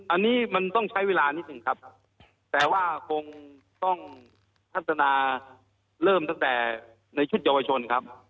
อันนี้มันต้องใช้เวลานิดหนึ่งครับแต่ว่าคงต้องพัฒนาเริ่มตั้งแต่ในชุดเยาวชนครับ